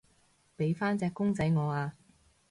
畀返隻公仔我啊